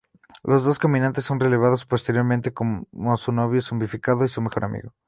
Los dos caminantes son revelados posteriormente como su novio zombificado y su mejor amigo.